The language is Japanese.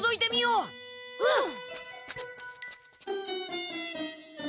うん！